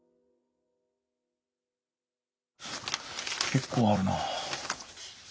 結構あるな。